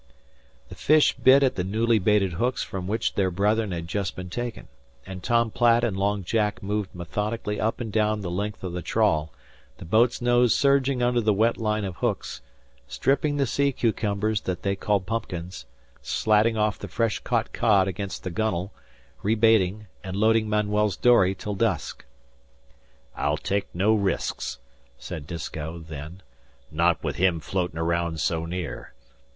The fish bit at the newly baited hooks from which their brethren had just been taken, and Tom Platt and Long Jack moved methodically up and down the length of the trawl, the boat's nose surging under the wet line of hooks, stripping the sea cucumbers that they called pumpkins, slatting off the fresh caught cod against the gunwale, rebaiting, and loading Manuel's dory till dusk. "I'll take no risks," said Disko then "not with him floatin' around so near.